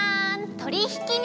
とりひき肉！